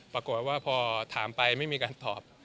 ปรากฏว่าพอถามไปไม่มีการตอบ